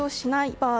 場合